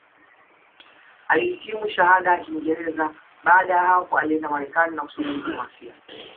Alihitimu Shahada ya Kingereza Baada ya hapo alienda Marekani na kusomea diplomasia